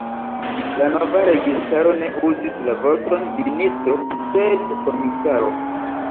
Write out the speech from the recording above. La nova registaro ne uzis la vorton „ministro”, sed komisaro.